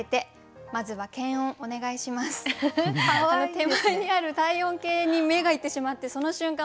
手前にある体温計に目がいってしまってその瞬間